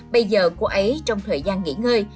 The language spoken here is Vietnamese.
bây giờ cô ấy trong thời gian nghỉ ngơi